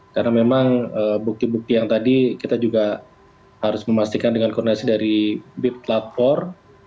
karena memang bukti bukti yang tadi kita juga harus memastikan dengan koordinasi dari bip platform